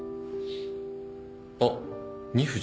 あっ二藤。